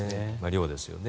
量ですよね。